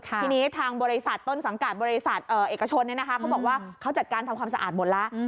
ทีนี้ทางบริษัทต้นสังกัดบริษัทเอกชนเขาบอกว่าเขาจัดการทำความสะอาดหมดแล้ว